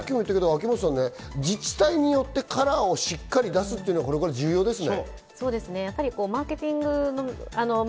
自治体によってカラーをしっかり出すというのは重要ですね。